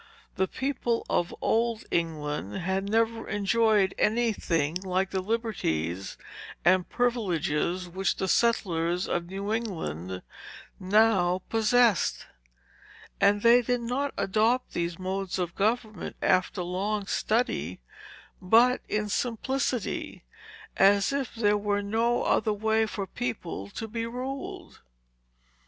The people of old England had never enjoyed any thing like the liberties and privileges, which the settlers of New England now possessed. And they did not adopt these modes of government after long study, but in simplicity, as if there were no other way for people to be ruled.